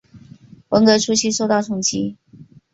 文革初期受到冲击。